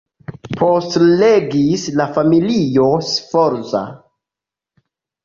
Poste regis la familio Sforza.